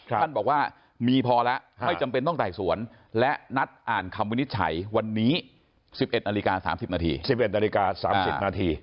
ท่านบอกว่ามีพอแล้วไม่จำเป็นต้องไต่สวนและนัดอ่านคำวินิจฉัยวันนี้๑๑นาฬิกา๓๐นาที๑๑นาฬิกา๓๐นาที